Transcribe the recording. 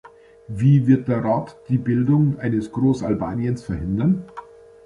Wie wird der Rat die Bildung eines Groß-Albaniens verhindern?